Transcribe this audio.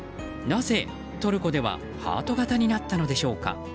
なぜ、トルコではハート形になったのでしょうか。